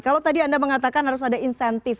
kalau tadi anda mengatakan harus ada insentif